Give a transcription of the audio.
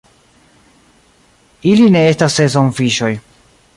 Ili ne estas sezonfiŝoj.